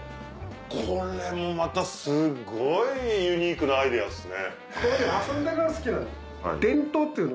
これもまたすごいユニークなアイデアですね。